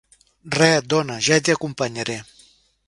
Re, dona, ja t'hi acompanyaré.